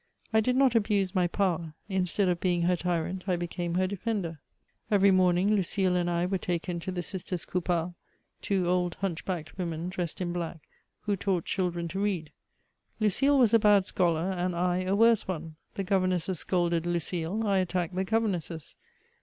I did not abuse my power. Instead of being her tyrant, I became her defender. Every morning, Lucile and I were taken to the Sisters Conppart, two old hunchbacked women dressed in black, who taught children to read. Lucile was a bad scholar, and I, a worse one. The governesses scolded Lucile; I attacked the governesses.